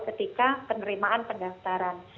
ketika penerimaan pendaftaran